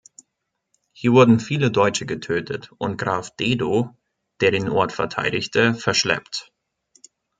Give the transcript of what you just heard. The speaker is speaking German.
Hier wurden viele Deutsche getötet und Graf Dedo, der den Ort verteidigte, verschleppt.